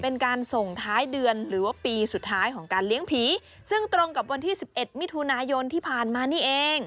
เป็นการส่งท้ายเดือนหรือว่าปีสุดท้ายของการเลี้ยงผีซึ่งตรงกับวันที่สิบเอ็ดมิถุนายนที่ผ่านมานี่เอง